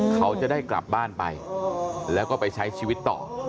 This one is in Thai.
เขาจะได้กลับบ้านไปแล้วก็ไปใช้ชีวิตต่อ